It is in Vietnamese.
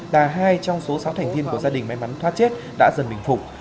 cả hai trong số sáu thành viên của gia đình may mắn thoát chết đã dần bình phục